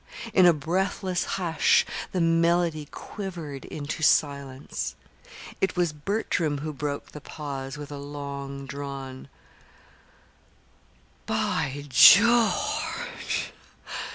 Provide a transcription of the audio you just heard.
In a breathless hush the melody quivered into silence. It was Bertram who broke the pause with a long drawn: "By George!"